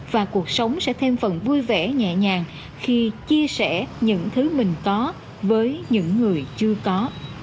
và cuộc sống sẽ thêm phần vui vẻ nhẹ nhàng khi chia sẻ những thứ mình có với những người chưa có